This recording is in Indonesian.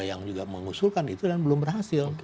yang juga mengusulkan itu dan belum berhasil